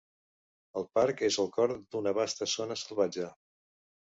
El parc és al cor d'una vasta zona salvatge.